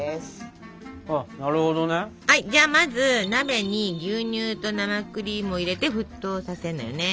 じゃまず鍋に牛乳と生クリームを入れて沸騰させるのよね。